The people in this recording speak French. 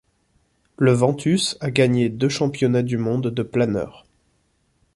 Le Ventus a gagné deux championnats du Monde de planeur.